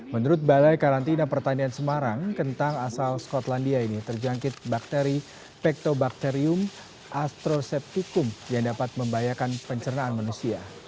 menurut balai karantina pertanian semarang kentang asal skotlandia ini terjangkit bakteri pektobakterium astroseptikum yang dapat membahayakan pencernaan manusia